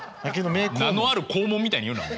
名のあるこうもんみたいに言うな。